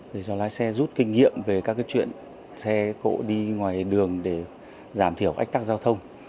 để cho lái xe rút kinh nghiệm về các chuyện xe cộ đi ngoài đường để giảm thiểu ách tắc giao thông